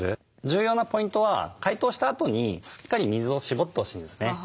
重要なポイントは解凍したあとにしっかり水をしぼってほしいんですね。